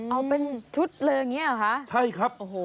เอาเป็นชุดเลยอย่างเนี่ยหรอคะใช่ครับ